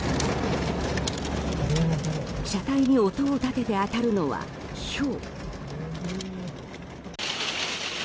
車体に音を立てて当たるのはひょう。